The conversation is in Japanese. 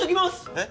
えっ？